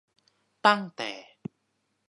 ตั้งแต่